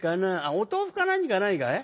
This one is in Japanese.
お豆腐か何かないかい？